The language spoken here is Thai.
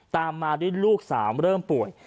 ตามมาด้วยลูกสาวเริ่มป่วย